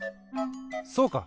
そうか！